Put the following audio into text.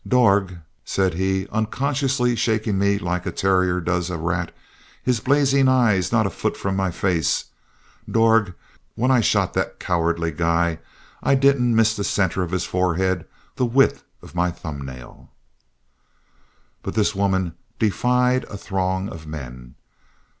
'Dorg,' said he, unconsciously shaking me like a terrier does a rat, his blazing eyes not a foot from my face, 'Dorg, when I shot that cowardly , I didn't miss the centre of his forehead the width of my thumb nail.' "But this woman defied a throng of men.